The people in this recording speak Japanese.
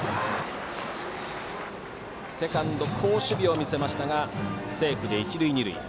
セカンド、好守備を見せましたがセーフで一、二塁。